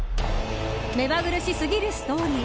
目まぐるしすぎるストーリー。